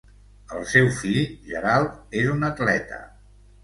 El seu fill, Gerald, és un atleta.